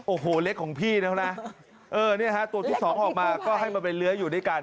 โอ้โหเล็กของพี่แล้วนะเออเนี่ยฮะตัวที่สองออกมาก็ให้มันเป็นเลื้ออยู่ด้วยกัน